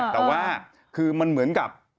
แต่ว่าคือมันเหมือนกับ